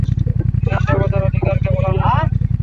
বিধান দেবার অধিকার কেবল আল্লাহর।